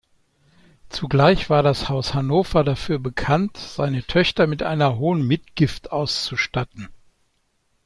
Zugleich war das Haus Hannover dafür bekannt, seine Töchter mit einer hohen Mitgift auszustatten.